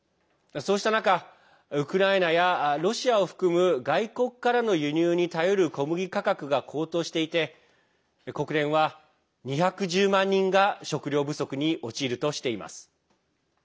そうした中ウクライナやロシアを含む外国からの輸入に頼る小麦価格が高騰していて国連は２１０万人が食糧不足に陥るとしています。